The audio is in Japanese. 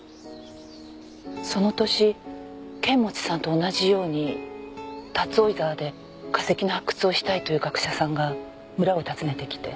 その年剣持さんと同じように竜追沢で化石の発掘をしたいという学者さんが村を訪ねてきて。